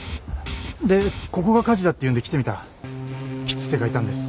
でここが火事だっていうんで来てみたら吉瀬がいたんです。